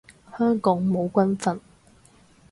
香港冇軍訓